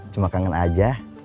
cuma kangen aja